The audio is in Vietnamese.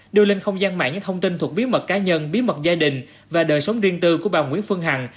đưa lên không gian mạng những thông tin thuộc bí mật cá nhân bí mật gia đình và đời sống riêng tư của bà nguyễn phương hằng